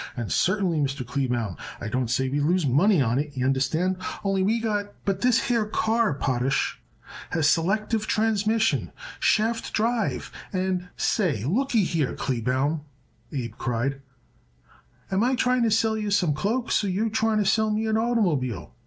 And certainly, Mr. Kleebaum, I don't say we lose money on it, y'understand, only we got " "But this here car, Potash, has selective transmission, shaft drive and " "Say, lookyhere, Kleebaum," Abe cried, "am I trying to sell you some cloaks or are you trying to sell me an oitermobile?